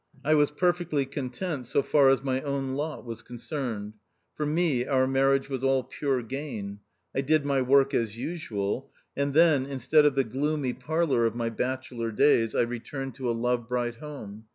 I was perfectly content so far as my own lot was concerned ; for me our marriage was all pure gain ; I did my work as usual, and then, instead of the gloomy parlour of my bachelor days, I returned to a love bright home.